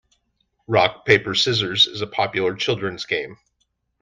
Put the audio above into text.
Rock, paper, scissors is a popular children's game.